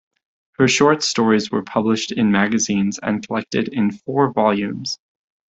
Her short stories were published in magazines and collected in four volumes.